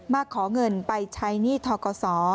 มาขอเงินไปใช้หนี้ทกศ